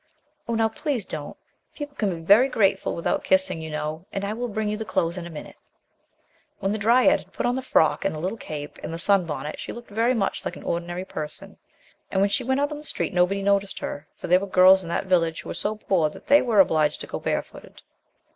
Oh, now please don't ! People can be very grateful with out kissing, you know, and I will bring you the clothes in a minute." '9 THE LOST DRYAD [HEN the dryad had put on the frock and the little cape and the sun bonnet, she looked very much like an ordinary person, and when she went out on the street nobody noticed her, for there were girls in that village who were so poor that they were obliged to go barefooted.